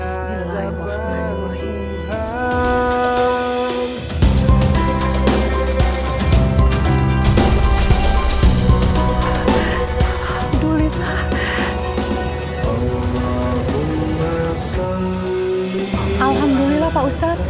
alhamdulillah pak ustadz